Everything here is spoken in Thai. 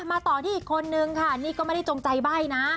มาต่อที่อีกคนนึงค่ะนี่ก็ไม่ได้จงใจใบ้นะ